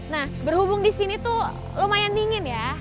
nah berhubung di sini tuh lumayan dingin ya